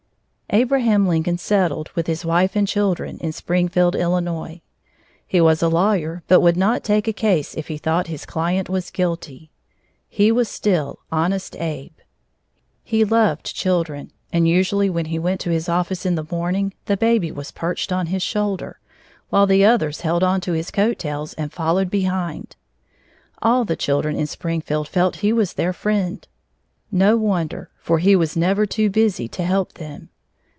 Abraham Lincoln settled, with his wife and children, in Springfield, Illinois. He was a lawyer but would not take a case if he thought his client was guilty. He was still "Honest Abe." He loved children and usually when he went to his office in the morning, the baby was perched on his shoulder, while the others held on to his coat tails and followed behind. All the children in Springfield felt he was their friend. No wonder, for he was never too busy to help them.